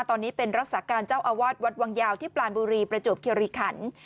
ตอนนี้เป็นรักษาการเจ้าอาวาสวัดวังยาวที่ปลานบุรีประจวบคิริขัน